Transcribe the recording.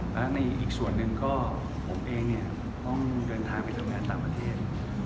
และในอีกส่วนหนึ่งก็ผมเองเนี่ยต้องเดินทางไปทำงานต่างประเทศ